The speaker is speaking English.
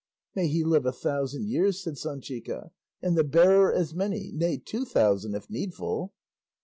"May he live a thousand years," said Sanchica, "and the bearer as many, nay two thousand, if needful."